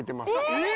えっ！？